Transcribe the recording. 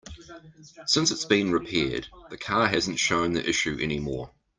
Since it's been repaired, the car hasn't shown the issue any more.